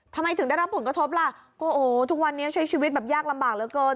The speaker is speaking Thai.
ทำไมถึงได้รับผลกระทบล่ะก็โอ้โหทุกวันนี้ใช้ชีวิตแบบยากลำบากเหลือเกิน